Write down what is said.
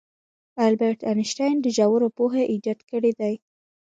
البرت انیشټین په ژوره پوهه ایجاد کړی دی.